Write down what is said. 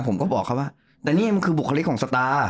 ผมก็บอกเขาว่าแต่นี่มันคือบุคลิกของชะตา